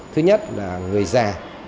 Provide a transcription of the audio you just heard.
thứ nhất là người già